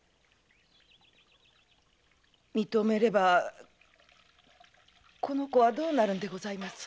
認めればこの子はどうなるのでございます？